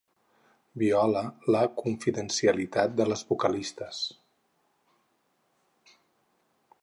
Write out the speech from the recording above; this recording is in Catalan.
Viola la confidencialitat de les vocalistes.